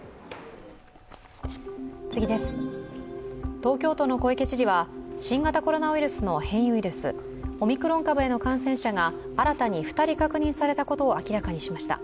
東京都の小池知事は新型コロナウイルスの変異ウイルスオミクロン株への感染者が新たに２人確認されたことを明らかにしました。